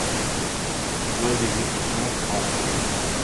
Durée d'exécution: env.